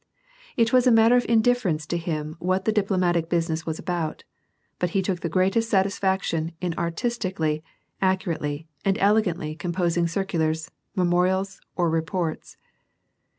It was a matter of indifference to him what the diplomatic business was about, but he took the greatest satisfaction iu artistically, accurately, and elegantly composing circiUars, memorials, or reports.